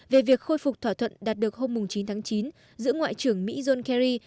về việc khôi phục thỏa thuận đạt được hôm chín tháng chín giữa ngoại trưởng mỹ john kerry